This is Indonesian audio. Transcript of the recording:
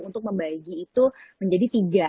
untuk membagi itu menjadi tiga